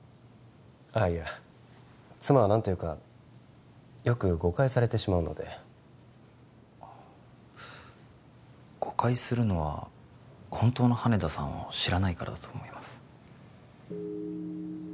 あいや妻は何というかよく誤解されてしまうので誤解するのは本当の羽田さんを知らないからだと思います